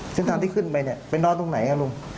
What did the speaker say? เส้นทางที่ขึ้นไปเนี่ยไปนอนตรงไหนครับลุง